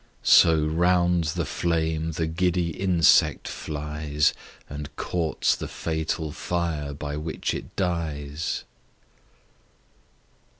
So round the flame the giddy insect flies, And courts the fatal fire by which it dies!